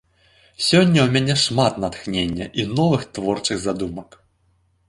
Сёння ў мяне шмат натхнення і новых творчых задумак.